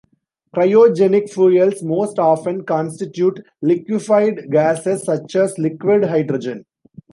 Cryogenic fuels most often constitute liquefied gases such as liquid hydrogen.